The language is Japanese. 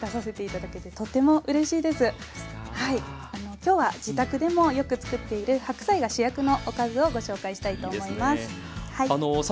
今日は自宅でもよく作っている白菜が主役のおかずをご紹介したいと思います。